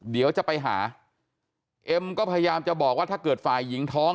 เดี๋ยวจะไปหาเอ็มก็พยายามจะบอกว่าถ้าเกิดฝ่ายหญิงท้อง